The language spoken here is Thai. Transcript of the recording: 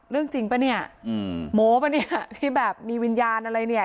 เรื่องจริงป่ะเนี่ยอืมโม้ป่ะเนี่ยที่แบบมีวิญญาณอะไรเนี่ย